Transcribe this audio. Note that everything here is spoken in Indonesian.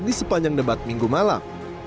di sepanjang debat minggu malam